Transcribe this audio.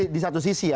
di satu sisi ya